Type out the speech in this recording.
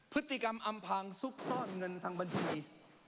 พฤติกรรมอำพางซุกซ่อนเงินทางบัญชี